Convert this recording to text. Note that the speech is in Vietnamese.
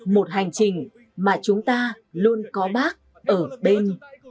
một hành trình mà chúng ta luôn có bác ở bên